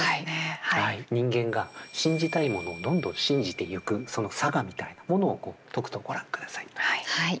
人間が信じたいものをどんどん信じてゆくそのさがみたいなものをとくとご覧くださいという。